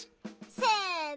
せの！